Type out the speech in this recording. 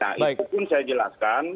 nah itu pun saya jelaskan